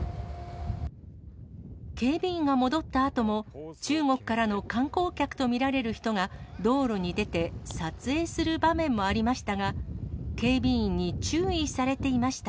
警備員が戻ったあとも中国からの観光客と見られる人が、道路に出て撮影する場面もありましたが、警備員に注意されていました。